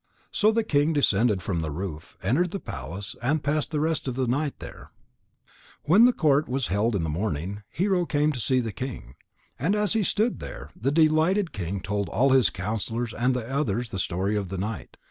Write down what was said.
So the king descended from the roof, entered the palace, and passed the rest of the night there. Then when the court was held in the morning, Hero came to see the king. And as he stood there, the delighted king told all his counsellors and the others the story of the night.